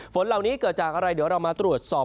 ฝนเหล่านี้เกิดจากอะไรเดี๋ยวเรามาตรวจสอบ